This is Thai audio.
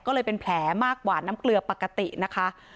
ก็เลยเป็นแผลมากกว่าน้ำเกลือปกตินะคะ